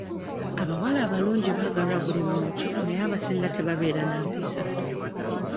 Abawala abalungi baagalwa buli muntu naye abasinga tebabeera na mpisa.